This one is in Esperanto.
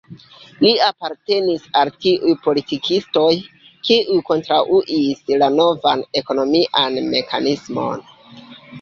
Li apartenis al tiuj politikistoj, kiuj kontraŭis la novan ekonomian mekanismon.